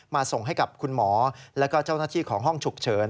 ส่งให้กับคุณหมอแล้วก็เจ้าหน้าที่ของห้องฉุกเฉิน